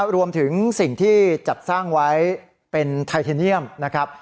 รวมถึงสิ่งที่จัดสร้างไว้เป็นไทเทเนียมนะครับ